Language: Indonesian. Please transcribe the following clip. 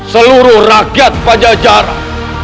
seluruh rakyat pajajaran